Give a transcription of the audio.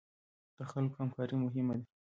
د خلکو همکاري مهمه ده